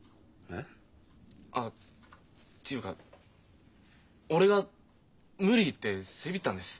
えっ？あっというか俺が無理言ってせびったんです。